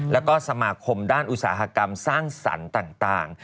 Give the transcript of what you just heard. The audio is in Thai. แล้วก็สมาคมด้านอุตสาหกรรมสร้างสรรค์ต่าง